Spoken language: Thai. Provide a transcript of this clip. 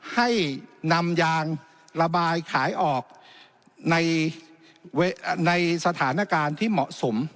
ให้นำยางระบายขายออกในสถานการณ์ที่เหมาะสม